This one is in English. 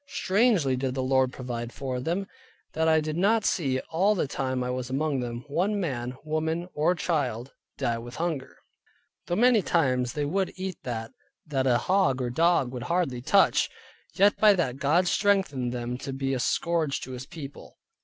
strangely did the Lord provide for them; that I did not see (all the time I was among them) one man, woman, or child, die with hunger. Though many times they would eat that, that a hog or a dog would hardly touch; yet by that God strengthened them to be a scourge to His people.